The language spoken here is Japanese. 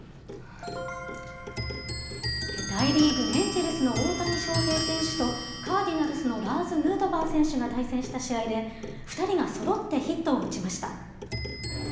大リーグ・エンジェルスの大谷翔平選手とカーディナルスのラーズ・ヌートバー選手が対戦した試合で、２人がそろってヒットを打ちました。